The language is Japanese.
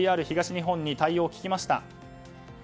ＪＲ東日本に対応を聞きました。